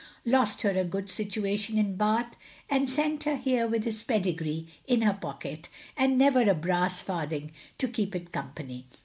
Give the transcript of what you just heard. Lost her a good situation in Bath, and sent her here with his pedigree in her pocket and never a brass farthing to keep it company.